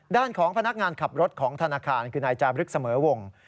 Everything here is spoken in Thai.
ด้านของพนักงานขับรถของธนาคารคือนายจาบรึกเสมอวง